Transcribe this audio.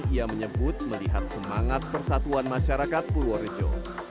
ia menyebut melihat semangat persatuan masyarakat purworejo